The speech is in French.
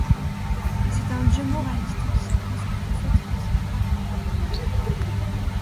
C'est un Dieu moraliste qui s'adresse au prophète dans cette parabole.